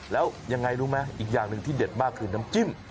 แล้วยังไงรู้ไหมอีกอย่างหนึ่งที่เด็ดมากคือน้ำจิ้ม